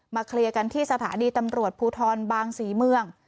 เคลียร์กันที่สถานีตำรวจภูทรบางศรีเมือง